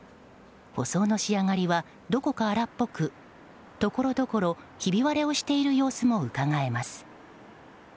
舗装の仕上がりはどこか荒っぽくところどころひび割れをしている様子もうかがえます。